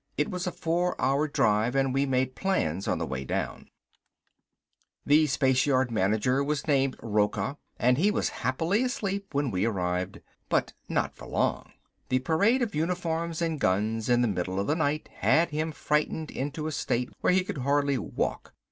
It was a four hour drive and we made plans on the way down. The spaceyard manager was named Rocca, and he was happily asleep when we arrived. But not for long. The parade of uniforms and guns in the middle of the night had him frightened into a state where he could hardly walk.